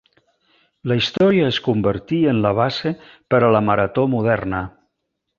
La història es convertí en la base per a la marató moderna.